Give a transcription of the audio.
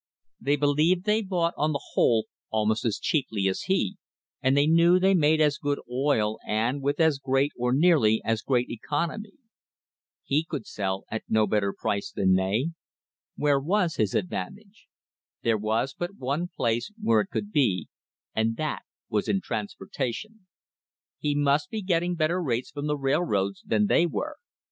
They believed they bought, on the whole, almost as cheaply as he, and they knew they made as good oil and with as great, or nearly as great, economy. He could sell at THE HISTORY OF THE STANDARD OIL COMPANY no better price than they. Where was his advantage? There was but one place where it could be, and that was in trans portation. He must be getting better rates from the railroads than they were.